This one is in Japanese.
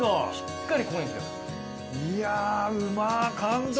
いやうまっ感動。